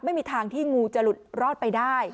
ไม่มีทางที่งูจะหลุดรอดไปได้